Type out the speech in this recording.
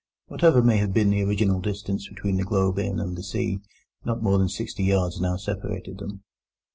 Whatever may have been the original distance between the Globe Inn and the sea, not more than sixty yards now separated them.